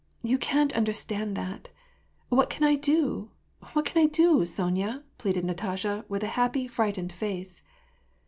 You can't understand that. What can I do? What can I do, Sonya ?" pleaded Natasha, with a happy, frightened face.